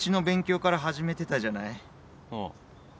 ああ。